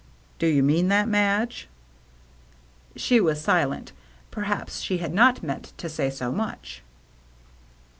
" Do you mean that, Madge ?" She was silent ; perhaps she had not meant to say so much.